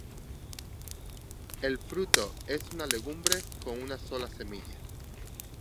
El fruto es una legumbre con una sola semilla.